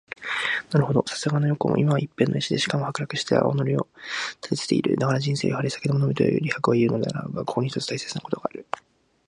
なるほど、さすがの羊公も、今は一片の石で、しかも剥落して青苔を蒙つてゐる。だから人生はやはり酒でも飲めと李白はいふのであらうが、ここに一つ大切なことがある。